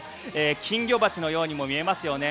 金魚鉢のように見えますよね。